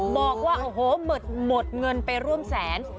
บอกว่าโอ้โหหมดเงินไปร่วมแสน